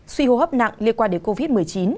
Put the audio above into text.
suy hô hấp nặng liên quan đến covid một mươi chín